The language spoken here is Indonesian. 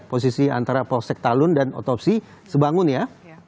posisi antara polsek talun dan otopsi sebangun ya